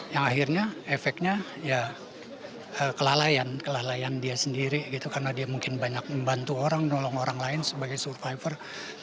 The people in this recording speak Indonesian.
yang akhirnya efeknya ya kelalaian kelalaian dia sendiri gitu karena dia mungkin banyak membantu orang nolong orang lain sebagai survivor